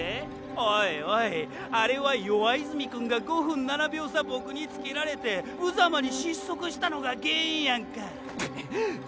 オイオイあれは弱泉くんが５分０７秒差ボクにつけられてぶざまに失速したのが原因やんか。